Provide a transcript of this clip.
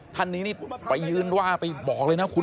ท่านนี้นี่ไปยืนว่าไปบอกเลยนะคุณ